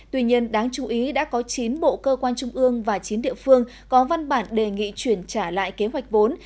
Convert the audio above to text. tuy nhiên đáng chú ý đã có chín bộ cơ quan trung ương và chín địa phương có văn bản đề nghị chuyển trả lại kế hoạch vốn